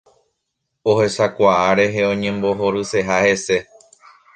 Ohechakuaa rehe oñembohoryseha hese.